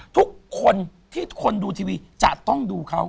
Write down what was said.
ทุกคนที่คนดูทีวีจะต้องดูเขา